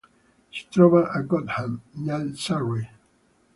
Si trova a Cobham, nel Surrey.